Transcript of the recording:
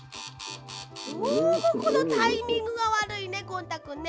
どうもこのタイミングがわるいねゴン太くんね。